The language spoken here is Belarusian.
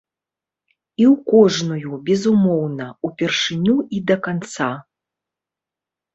І у кожную, безумоўна, упершыню і да канца.